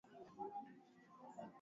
Mwalimu mkuu amefika shuleni.